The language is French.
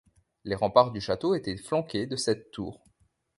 Les remparts du château étaient flanqués de sept tours.